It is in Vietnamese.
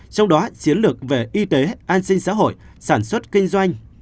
trong đó chiến lược về y tế an sinh xã hội sản xuất kinh doanh